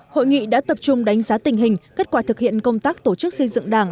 hội nghị đã tập trung đánh giá tình hình kết quả thực hiện công tác tổ chức xây dựng đảng